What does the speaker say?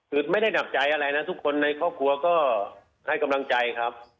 คือไม่ได้หนักใจอะไรนะทุกคนในครอบครัวก็ให้กำลังใจครับ